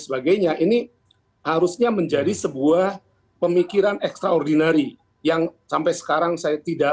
sebagainya ini harusnya menjadi sebuah pemikiran ekstraordinari yang sampai sekarang saya tidak